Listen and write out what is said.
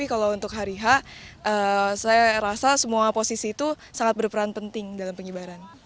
hari hari saya rasa semua posisi itu sangat berperan penting dalam pengibaran